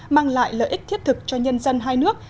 mang lại lợi ích thiết thực cho nhân dân hai nước